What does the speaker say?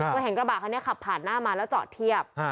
ตัวแห่งกระบาดเค้าเนี่ยขับผ่านหน้ามาแล้วจอดเทียบ